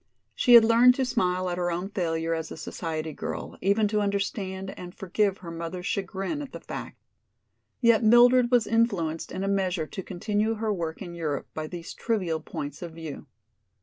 She had learned to smile at her own failure as a society girl, even to understand and forgive her mother's chagrin at the fact. Yet Mildred was influenced in a measure to continue her work in Europe by these trivial points of view.